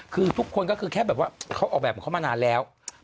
คือทุกคนก็คือแค่แบบว่าเขาออกแบบของเขามานานแล้ว